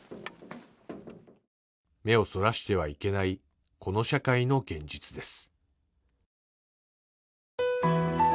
目をそらしてはいけない、この社会の現実です。